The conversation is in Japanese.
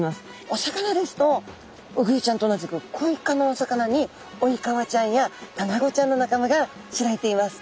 お魚ですとウグイちゃんと同じくコイ科のお魚にオイカワちゃんやタナゴちゃんの仲間が知られています。